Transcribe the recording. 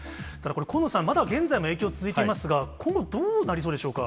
これ、近野さん、今まだ、現在も影響、続いていますが、今後どうなりそうでしょうか。